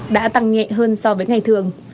đã tăng nhẹ hơn so với ngày thường